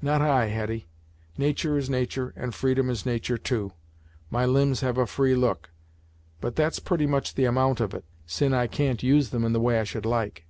"Not I, Hetty. Natur' is natur', and freedom is natur', too. My limbs have a free look, but that's pretty much the amount of it, sin' I can't use them in the way I should like.